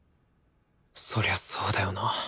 そりゃそうだよな